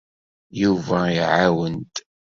Yuba iɛawen-d.